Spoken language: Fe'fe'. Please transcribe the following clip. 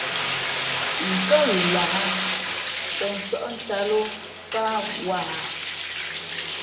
N kάghʉ lahā tᾱ nsάʼ ntāt lō sáá wāha ?